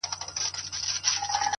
جوړ يمه گودر يم ماځيگر تر ملا تړلى يم ـ